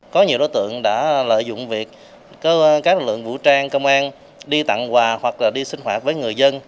có nhiều đối tượng đã lợi dụng việc các lực lượng vũ trang công an đi tặng quà hoặc là đi sinh hoạt với người dân